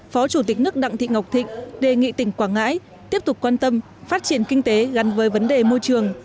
phó chủ tịch nước đặng thị ngọc thịnh đề nghị tỉnh quảng ngãi tiếp tục quan tâm phát triển kinh tế gắn với vấn đề môi trường